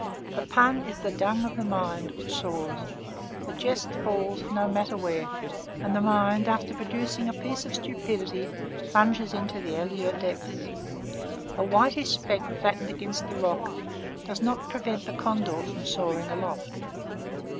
The pun is the dung of the mind which soars. The jest falls, no matter where; and the mind after producing a piece of stupidity plunges into the azure depths. A whitish speck flattened against the rock does not prevent the condor from soaring aloft.